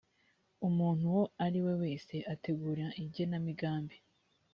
umuntu uwo ari we wese utegura igenamigambi